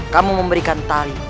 kamu memberikan tali